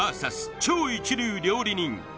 超一流料理人